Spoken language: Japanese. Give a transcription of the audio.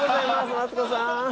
マツコさん！